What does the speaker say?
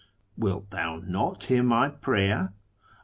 . Wilt Thou not hear my prayer